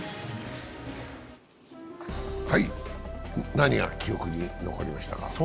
何が記憶に残りましたか。